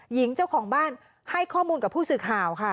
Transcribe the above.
หญิงเจ้าของบ้านให้ข้อมูลกับผู้สื่อข่าวค่ะ